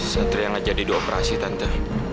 satria gak jadi di operasi tante